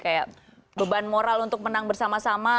kayak beban moral untuk menang bersama sama